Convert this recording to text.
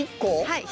はい。